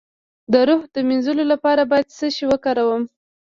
د روح د مینځلو لپاره باید څه شی وکاروم؟